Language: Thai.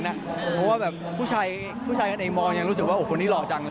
เพราะว่าแบบผู้ชายในมองยังรู้สึกว่าโอ้โหคนนี้หล่อจัง